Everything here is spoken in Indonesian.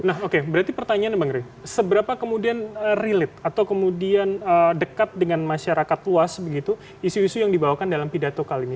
nah oke berarti pertanyaannya bang rey seberapa kemudian relate atau kemudian dekat dengan masyarakat luas begitu isu isu yang dibawakan dalam pidato kali ini